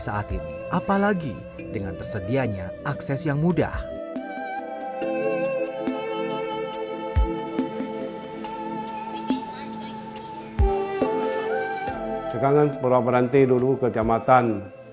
sekarang kan perubahan berhenti dulu ke camatan